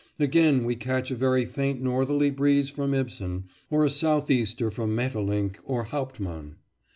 Again we catch a very faint northerly breeze from Ibsen, or a southeaster from Maeterlinck and Hauptmann.